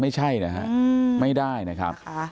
ไม่ใช่นะฮะไม่ได้นะครับ